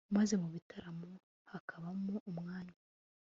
maze mu bitaramo hakabamo umwanya